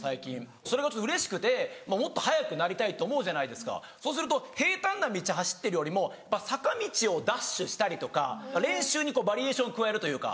それがちょっとうれしくてもっと速くなりたいと思うじゃないですかそうすると平たんな道走ってるよりも坂道をダッシュしたりとか練習にバリエーションを加えるというか。